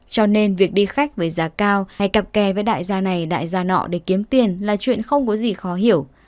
cho nên việc đi khách với giá cao hay cặp kè với đại gia này đại gia nọ để kiếm tiền là chuyện không có gì khó hiểu